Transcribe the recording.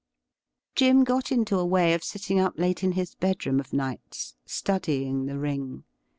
Jim got into a way of sitting up late in his bedroom of nights, studying the ring.